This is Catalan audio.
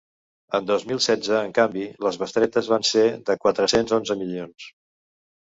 En dos mil setze, en canvi, les bestretes van ser de quatre-cents onze milions.